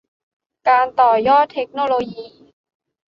การต่อยอดเทคโนโลยี